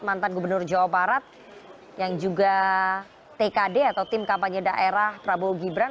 mantan gubernur jawa barat yang juga tkd atau tim kampanye daerah prabowo gibran